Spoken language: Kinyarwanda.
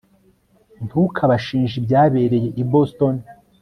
ntukabashinje ibyabereye i boston